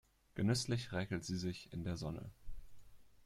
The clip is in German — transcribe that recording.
Genüsslich räkelt sie sich in der Sonne.